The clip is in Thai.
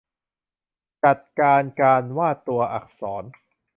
จัดการการวาดตัวอักษร